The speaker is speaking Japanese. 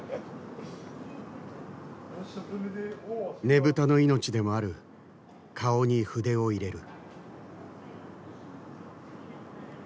ねぶたの命でもある顔に筆を入れる。